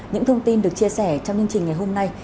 những thông tin được chia sẻ trong chương trình ngày hôm nay